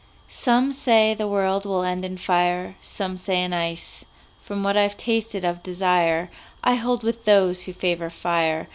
SOME say the world will end in fire, Some say in ice. From what I've tasted of desireI hold with those who favor fire.